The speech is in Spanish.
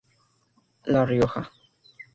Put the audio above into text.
La Rioja.